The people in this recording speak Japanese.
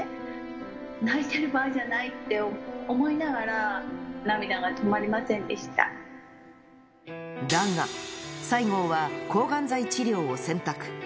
泣いてる場合じゃないって思いなだが、西郷は抗がん剤治療を選択。